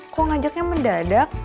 kok ngajaknya mendadak